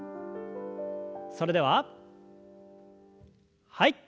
それでははい。